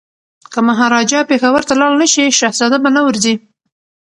که مهاراجا پېښور ته لاړ نه شي شهزاده به نه ورځي.